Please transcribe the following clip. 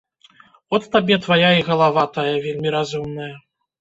От табе твая і галава тая вельмі разумная.